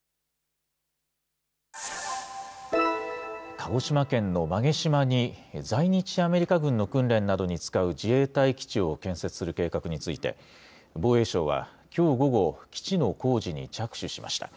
鹿児島県の馬毛島に、在日アメリカ軍の訓練などに使う自衛隊基地を建設する計画について、防衛省はきょう午後、基地の工事に着手しました。